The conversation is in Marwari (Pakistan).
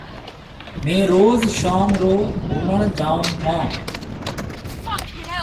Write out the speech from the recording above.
ميه روز شوم رو روُمڻ جاون هون۔